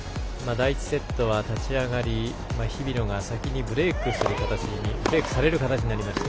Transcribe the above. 第１セットは立ち上がり日比野が先にブレークされる形になりました。